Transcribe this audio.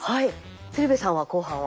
鶴瓶さんは後半は？